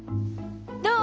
どう？